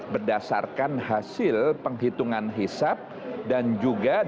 berdasarkan hasil penghitungan hisap dan juga